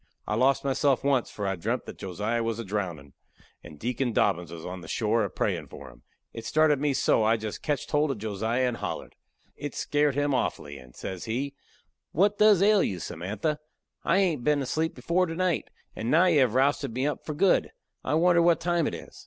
I lost myself once, for I dreampt that Josiah was a drowndin', and Deacon Dobbins was on the shore a prayin' for him. It started me so that I jist ketched hold of Josiah and hollered. It skairt him awfully, and says he, "What does ail you, Samantha? I hain't been asleep before to night, and now you have rousted me up for good. I wonder what time it is!"